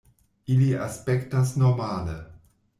Ili aspektas normale.